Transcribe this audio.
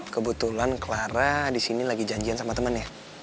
kebetulan clara disini lagi janjian sama temennya